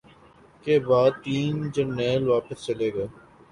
کے بعد تین جرنیل واپس چلے گئے